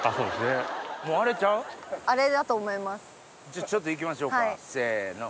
じゃあちょっと行きましょうかせの。